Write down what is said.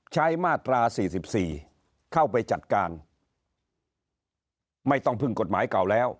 ใช้มาตราสี่สิบสี่เข้าไปจัดการไม่ต้องพึ่งกฎหมายเก่าแล้ว